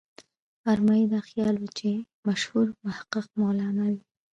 ارمایي دا خیال و چې مشهور محقق مولانا وي.